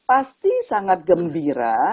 pasti sangat gembira